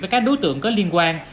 với các đối tượng có liên quan